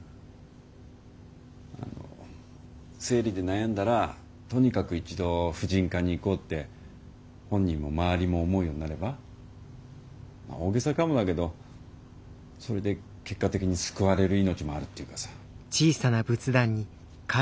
あの生理で悩んだらとにかく一度婦人科に行こうって本人も周りも思うようになれば大げさかもだけどそれで結果的に救われる命もあるっていうかさ。